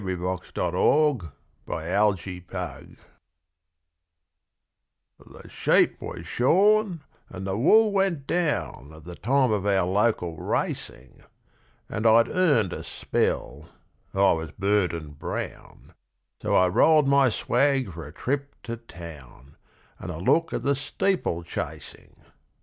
The Old Timer's Steeplechase The sheep were shorn and the wool went down At the time of our local racing: And I'd earned a spell I was burnt and brown So I rolled my swag for a trip to town And a look at the steeplechasing.